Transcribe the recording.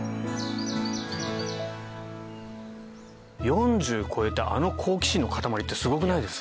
４０超えてあの好奇心の塊ってすごくないですか？